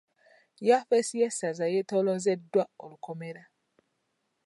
Yafesi y'essaza yetoolozeddwa olukomera.